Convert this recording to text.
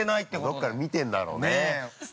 ◆どこかで見てるんだろうね。